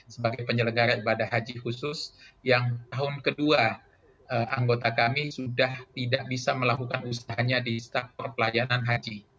sebagai penyelenggara ibadah haji khusus yang tahun kedua anggota kami sudah tidak bisa melakukan usahanya di sektor pelayanan haji